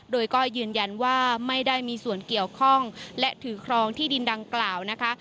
โดยก็ยืนยันว่าไม่ได้มีส่วนเกี่ยวข้องและถือครองที่ดินดังกล่าวนะคะ